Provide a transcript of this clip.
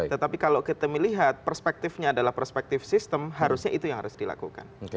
tetapi kalau kita melihat perspektifnya adalah perspektif sistem harusnya itu yang harus dilakukan